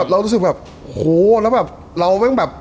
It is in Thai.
เรารู้สึกแบบโอโหแล้วเราแบบ